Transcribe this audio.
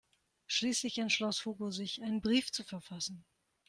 Schließlich entschloss Hugo sich, einen Brief zu verfassen.